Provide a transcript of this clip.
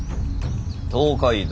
東海道